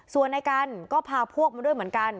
ส่วนในกันก็พาพวกมาด้วยเหมือนกัน